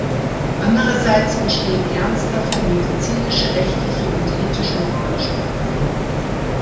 Andererseits bestehen ernsthafte medizinische, rechtliche und ethisch-moralische Probleme.